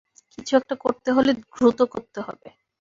কিছু একটা করতে হলে দ্রুত করতে হবে।